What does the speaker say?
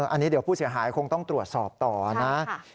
อันนี้เดี๋ยวผู้เสียหายคงต้องตรวจสอบต่อนะ